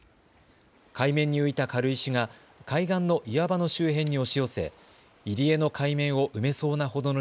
海面に浮いた軽石が海岸の岩場の周辺に押し寄せ入り江の海面を埋めそうなほどの